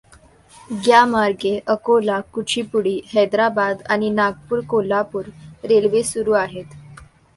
ग्यामार्गे अकोला कुचीपूडी हॅद्राबाद आणि नागपूर् कोल्हापूर रेल्वे सुरु आहेत.